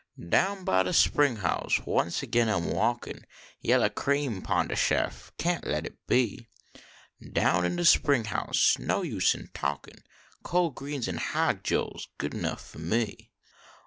Down by de spring house once agin I m walkin ; Vellah cream pon de shef, kaint let it be. Down in de spring house no use in talkin Col greens en hog jole s good enuff fo me.